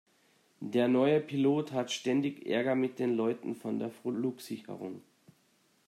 Der neue Pilot hat ständig Ärger mit den Leuten von der Flugsicherung.